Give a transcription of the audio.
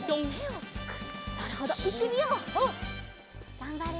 がんばれ。